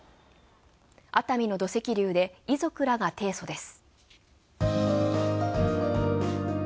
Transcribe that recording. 熱海の土石流で遺族らが提訴です。